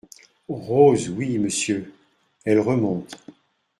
Rose Oui, Monsieur, Elle remonte.